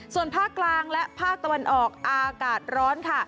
ส่วนภาคกลางและภาคตะวันออกอากาศร้อนค่ะ